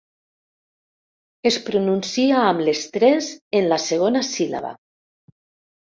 Es pronuncia amb l'estrès en la segona síl·laba.